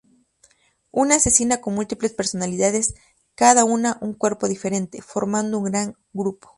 Una asesina con múltiples personalidades cada con un cuerpo diferente, formando un gran grupo.